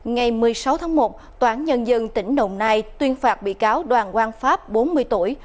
ngày một mươi sáu tháng một tòa án nhân dân tỉnh đồng nai tuyên phạt bị cáo đoàn quan pháp bốn mươi tuổi